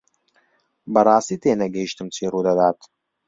بەڕاستی تێنەگەیشتم چی ڕوودەدات.